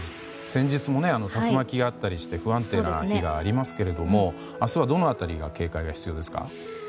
先日もね竜巻があったりして不安定な日がありますけれども明日はどの辺りが警戒が必要ですか？